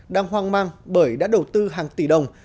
đang hoang mang bởi đã đầu tư hàng tỷ đồng